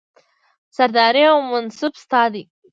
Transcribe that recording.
سرداري او منصب ستا دی